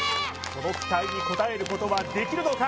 その期待に応えることはできるのか